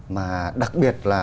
mà đặc biệt là